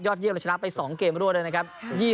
ยอดเยี่ยมเราชนะไปสองเกมด้วยนะครับ